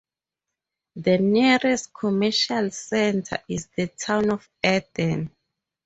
The nearest commercial centre is the town of Eden.